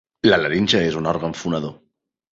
La laringe és un òrgan fonador.